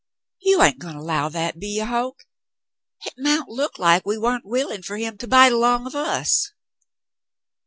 "You hain't goin' to 'low that, be ye, Hoke? Hit mount look like we wa'n't willin' fer him to bide 'long of us."